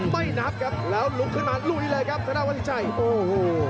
ไม่นับครับแล้วลุกขึ้นมาลุยเลยครับธนาวัชิชัยโอ้โห